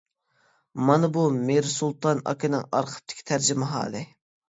مانا بۇ مىرسۇلتان ئاكىنىڭ ئارخىپتىكى تەرجىمىھالى.